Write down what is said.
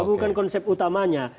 bukan konsep utamanya